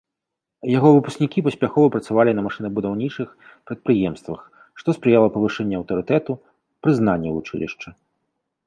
Яго выпускнікі паспяхова працавалі на машынабудаўнічых прадпрыемствах, што спрыяла павышэнню аўтарытэту, прызнанню вучылішча.